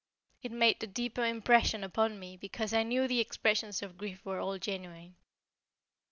It made the deeper impression upon me because I knew the expressions of grief were all genuine.